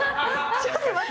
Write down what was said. ちょっと待って。